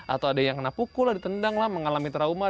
atau ada yang kena pukul ada tendang lah mengalami trauma